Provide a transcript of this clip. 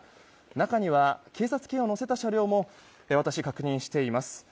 中には、警察犬を乗せた車両も私、確認しています。